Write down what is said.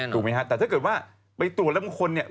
ถูกไหมฮะแต่ถ้าเกิดว่าไปตรวจแล้วบางคนเนี่ย